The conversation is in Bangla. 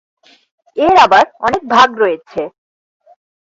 এর আবার অনেক ভাগ রয়েছে।